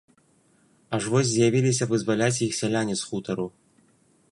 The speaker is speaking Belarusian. Аж вось з'явіліся вызваляць іх сяляне з хутару.